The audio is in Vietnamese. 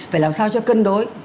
phải làm sao cho cân đối